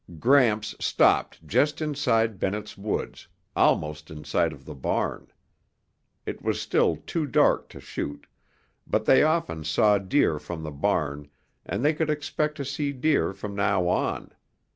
Gramps stopped just inside Bennett's Woods, almost in sight of the barn. It was still too dark to shoot, but they often saw deer from the barn and they could expect to see deer from now on.